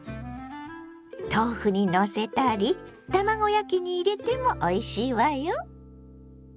豆腐にのせたり卵焼きに入れてもおいしいわよ。